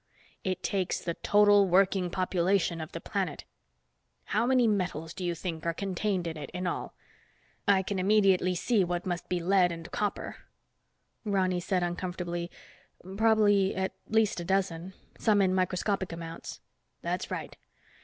It takes the total working population of the planet. How many different metals do you think are contained in it, in all? I can immediately see what must be lead and copper." Ronny said uncomfortably, "Probably at least a dozen, some in microscopic amounts." "That's right.